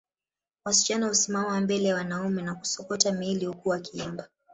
Wasichana husimama mbele ya wanaume na kusokota miili huku wakiimba